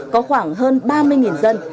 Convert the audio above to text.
có khoảng hơn ba mươi dân